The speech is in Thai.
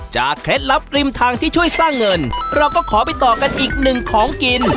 เคล็ดลับริมทางที่ช่วยสร้างเงินเราก็ขอไปต่อกันอีกหนึ่งของกิน